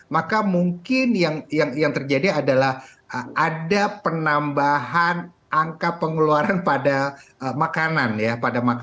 maka mungkin yang terjadi adalah ada penambahan angka pengeluaran pada makanan ya